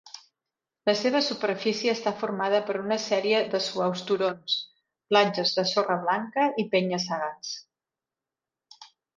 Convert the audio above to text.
La seva superfície està formada per una sèrie de suaus turons, platges de sorra blanca i penya-segats.